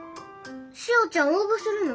しおちゃん応募するの？